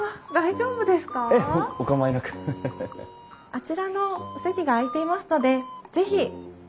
あちらのお席が空いていますので是非。